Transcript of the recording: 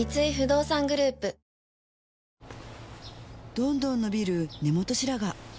どんどん伸びる根元白髪